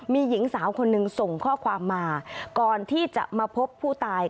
มีหญิงสาวคนหนึ่งส่งข้อความมาก่อนที่จะมาพบผู้ตาย